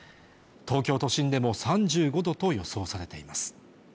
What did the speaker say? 東京都心でも３５度と予想されています